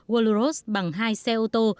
guarulhos bằng hai xe ô tô